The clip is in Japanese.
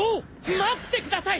待ってください！